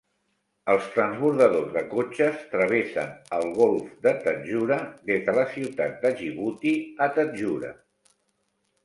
Els transbordadors de cotxes travessen el golf de Tadjoura des de la ciutat de Djibouti a Tadjoura.